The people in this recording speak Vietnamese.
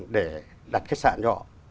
để đặt khách sạn cho họ